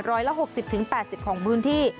ร้อยละ๖๐๘๐ของพื้นที่